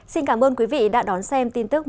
xin cảm ơn quý vị đã đón xem tin tức một mươi sáu h